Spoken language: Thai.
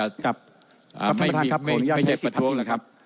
ครับครับท่านประทานครับขออนุญาตใช้สิทธิ์พัดพิงครับครับ